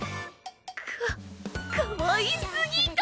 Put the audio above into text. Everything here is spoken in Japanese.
かかわいすぎか！